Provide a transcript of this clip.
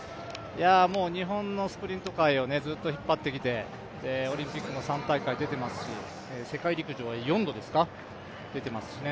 日本のスプリント界をずっと引っ張ってきてオリンピックも３大会出てますし世界陸上は４度出てますしね